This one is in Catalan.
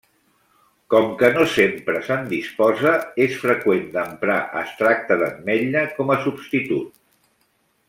Com que no sempre se'n disposa, és freqüent d'emprar extracte d'ametlla com a substitut.